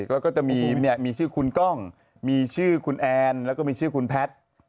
แล้วก็จะมีชื่อคุณกล้องมีชื่อคุณแอนแล้วก็มีชื่อคุณแพทย์